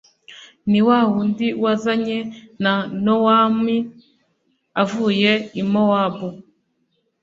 ni wawundi wazanye na nawomi avuye i mowabu